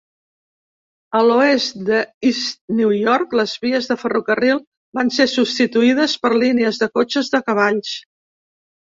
A l'oest d'East New York, les vies de ferrocarril van ser substituïdes per línies de cotxes de cavalls.